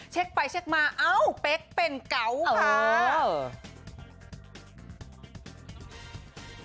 เช็กไปเช็กมาเป๊กเป็นเก๋าค่ะ